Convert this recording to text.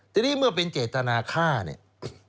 ทีนี้เมื่อเป็นเจตนาฆ่าเนี่ย